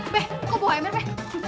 be gua bawa emir be